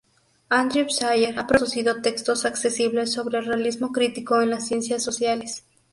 Andrew Sayer ha producido textos accesibles sobre el realismo crítico en las ciencias sociales.